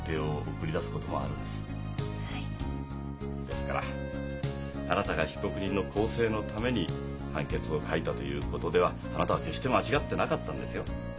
ですからあなたが被告人の更生のために判決を書いたということではあなたは決して間違ってなかったんですよ。